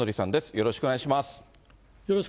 よろしくお願いします。